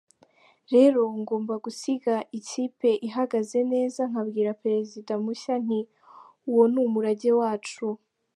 Rero ngomba gusiga ikipe ihagaze neza nkabwira perezida mushya nti, 'uwo ni umurage wacu'".